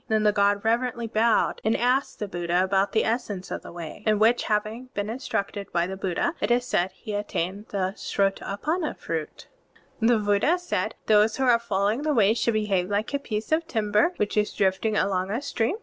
Then, the god reverently bowed and asked the Buddha about the essence of the Way, in which having been instructed by the Buddha, it is said, he attained the Srota^panna fruit. (27) The Buddha said: "Those who are fol lowing the Way should behave like a piece of timber which is drifting along a stream.